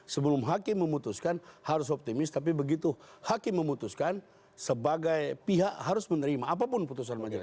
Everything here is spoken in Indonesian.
sebelum hakim memutuskan harus optimis tapi begitu hakim memutuskan sebagai pihak harus menerima apapun putusan majelis